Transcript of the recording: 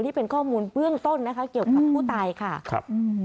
นี่เป็นข้อมูลเบื้องต้นนะคะเกี่ยวกับผู้ตายค่ะครับ